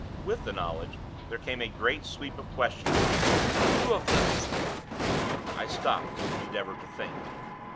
With the knowledge, there came a great sweep of questioning 'Two of the !' I stopped, and endeavored to think.